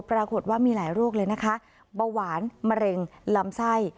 ปรากฏว่ามีหลายโรคเลยนะคะเบาหวานมะเร็งลำไส้